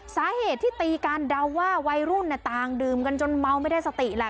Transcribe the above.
สาเหตุที่ตีกันเดาว่าวัยรุ่นต่างดื่มกันจนเมาไม่ได้สติแหละ